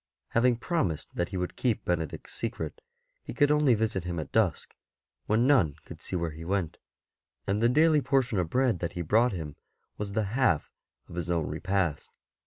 Having prom ised that he would keep Benedict's secret, he could only visit him at dusk, when none could see where he went, and the daily portion of bread that he brought him was the half of his own repast.